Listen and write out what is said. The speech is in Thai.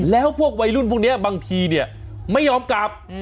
แล้วพวกวัยรุ่นพวกนี้บางทีเนี่ยไม่ยอมกลับ